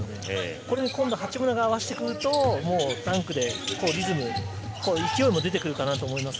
これに八村が合わせてくるとダンクで勢いも出てくるかなと思います。